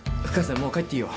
もう帰っていいよ